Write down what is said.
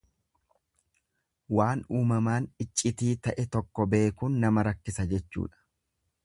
Waan uumamaan iccitii ta'e tokko beekuun nama rakkisa jechuudha.